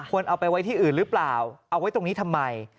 เอาไปไว้ที่อื่นหรือเปล่าเอาไว้ตรงนี้ทำไม